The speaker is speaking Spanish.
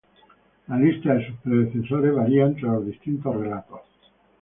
La lista de sus predecesores varía entre los distintos relatos.